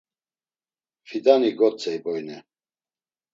Fidani gotzey boyne.